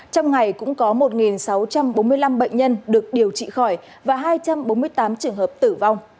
trong ngày cũng có một sáu trăm bốn mươi năm bệnh nhân được điều trị khỏi và hai trăm bốn mươi tám trường hợp tử vong